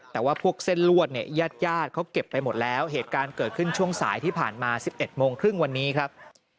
แต่ว่าพวกเส้นลวดเนี่ยญาติญาติเขาเก็บไปหมดแล้วเหตุการณ์เกิดขึ้นช่วงสายที่ผ่านมา๑๑โมงครึ่งวันนี้ครับ